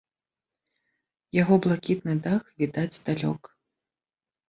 Яго блакітны дах відаць здалёк.